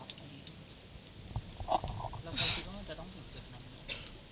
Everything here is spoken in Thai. แล้วความคิดว่ามันจะต้องถึงเกือบนั้นหรือ